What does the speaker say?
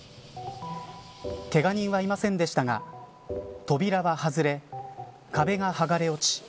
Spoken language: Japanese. けが人はいませんでしたが扉は外れ壁がはがれ落ち